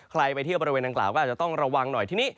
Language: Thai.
ไปเที่ยวบริเวณดังกล่าวก็อาจจะต้องระวังหน่อยทีนี้